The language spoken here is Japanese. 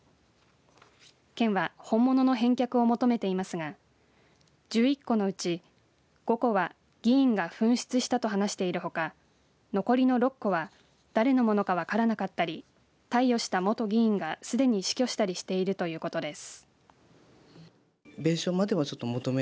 県は本物の返却を求めていますが１１個のうち５個は議員が紛失したと話しているほか残りの６個は誰のものか分からなかったり貸与した元議員がすでに死去したりしているということです。